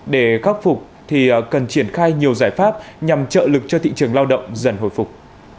để khắc phục thì cần triển khai nhiều giải pháp nhằm trợ lực cho thị trường lao động dần hồi phục